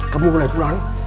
kamu boleh pulang